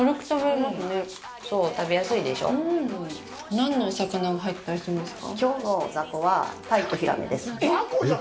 何のお魚が入ってたりするんですか？